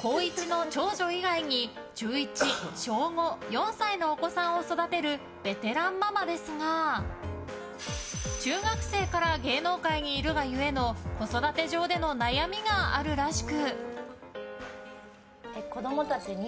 高１の長女以外に中１、小５、４歳のお子さんを育てるベテランママですが中学生から芸能界にいるが故の子育て上での悩みがあるらしく。